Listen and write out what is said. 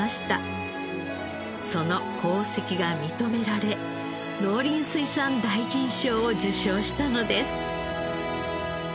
その功績が認められ農林水産大臣賞を受賞したのです。